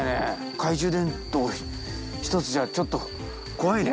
懐中電灯一つじゃちょっと怖いね